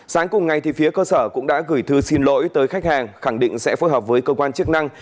sáng cùng ngày phía cơ sở cũng đã gửi thư xin lỗi tới khách hàng khẳng định sẽ phối hợp với cơ quan chức năng